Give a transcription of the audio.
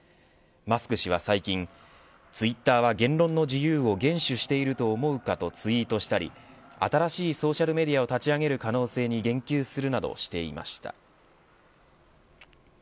マスク氏は最近ツイッターは言論の自由を厳守していると思うかとツイートしたり新しいソーシャルメディアを立ち上げる可能性に言及するなどしていました。